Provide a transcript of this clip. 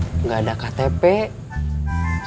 sementara urusan kua harus segera